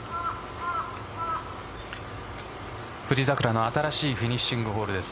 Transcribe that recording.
富士桜の新しいフィニッシュのホールです。